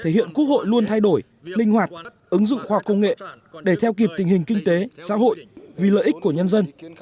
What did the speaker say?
những cách thức kỳ họp thể hiện quốc hội luôn thay đổi linh hoạt ứng dụng khoa học công nghệ để theo kịp tình hình kinh tế xã hội vì lợi ích của nhân dân